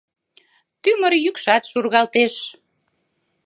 Тӱмыр йӱкшат шургалтеш.